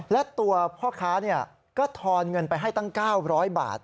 และตัวพ่อค้าก็ทอนเงินไปให้ตั้ง๙๐๐บาท